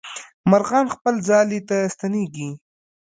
مرغان خپل ځالې ته ستنېږي.